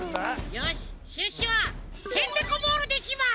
よしシュッシュはヘンテコボールでいきます！